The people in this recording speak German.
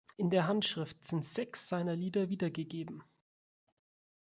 In der Handschrift sind sechs seiner Lieder wiedergegeben.